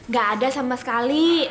gak ada sama sekali